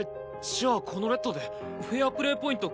じゃあこのレッドでフェアプレーポイント